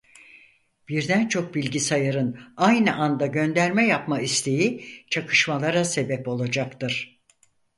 Birden çok bilgisayarın aynı anda gönderme yapma isteği çakışmalara sebep olacaktır.